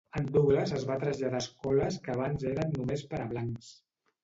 En Douglas es va traslladar a escoles que abans eren només per a blancs.